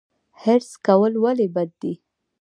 حرص کول ولې بد دي؟